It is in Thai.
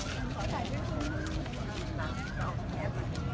อร่อยมากมากอีกแค่๕ฝั่ง